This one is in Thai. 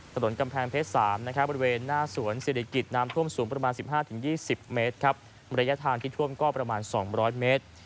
ถนนกำแพงเพชร๓บริเวณหน้าสวนเศรษฐกิจน้ำท่วมสูงประมาณ๑๕๒๐เมตรครับระยะทางที่ท่วมก็ประมาณ๒๐๐เมตร